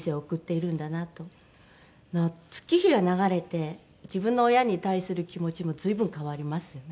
月日が流れて自分の親に対する気持ちも随分変わりますよね。